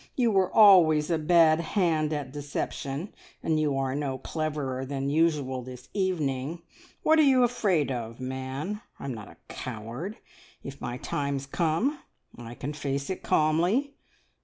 You were always a bad hand at deception, and you are no cleverer than usual this evening. What are you afraid of, man? I'm not a coward! If my time's come, I can face it calmly.